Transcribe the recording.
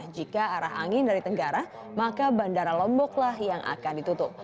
jika arah angin dari tenggara maka bandara lomboklah yang akan ditutup